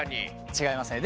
違いますね。